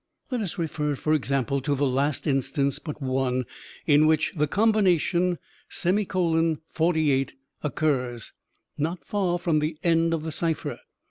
Let us refer, for example, to the last instance but one, in which the combination ;48 occurs not far from the end of the cipher.